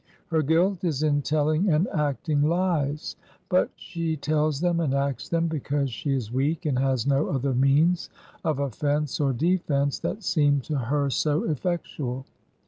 'Her guilt is in telling and acting lies; but she tells them and acts them because she is weak and has no other means of offence or defence that seem to her so effectual.